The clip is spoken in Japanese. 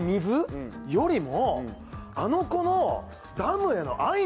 あの子の。